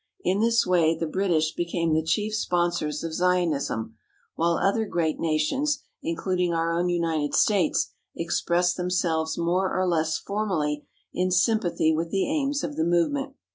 In this way the British became the chief sponsors of Zionism, while other great nations, including our own United States, expressed themselves more or less formally in sympathy with the aims of the movement.